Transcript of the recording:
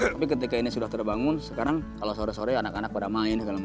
tapi ketika ini sudah terbangun sekarang kalau sore sore anak anak pada main segala macam